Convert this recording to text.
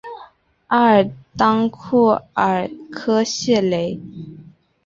阿尔当库尔科谢雷。